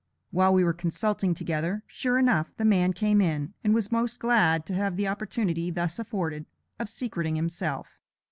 While we were consulting together, sure enough, the man came in, and was most glad to have the opportunity thus afforded, of secreting himself.